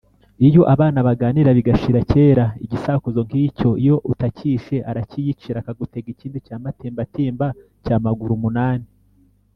iyo abana baganira bigashira kera, igisakuzo nk’icyo iyo utakishe, arakiyicira akagutega ikindi : “cyamatimbatimba cya maguru umunani